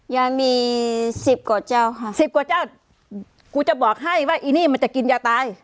ยายมีสิบกว่าเจ้าค่ะสิบกว่าเจ้ากูจะบอกให้ว่าอีนี่มันจะกินยาตาย